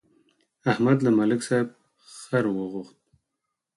احمد له ملک صاحب خر وغوښت.